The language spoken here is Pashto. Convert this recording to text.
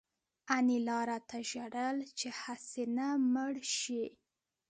انیلا راته ژړل چې هسې نه مړ شې